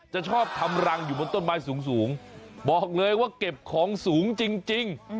ชอบทำรังอยู่บนต้นไม้สูงบอกเลยว่าเก็บของสูงจริง